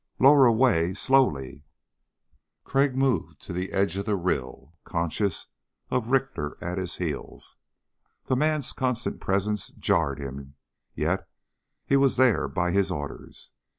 "Lower away slowly." Crag moved to the edge of the rill, conscious of Richter at his heels. The man's constant presence jarred him; yet, he was there by his orders.